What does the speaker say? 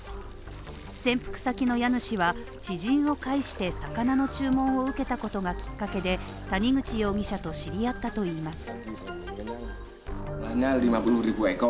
潜伏先の家主は知人を介して魚の注文を受けたことがきっかけで、谷口容疑者と知り合ったといいます。